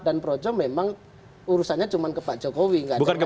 dan projo memang urusannya cuma ke pak jokowi nggak ada yang lain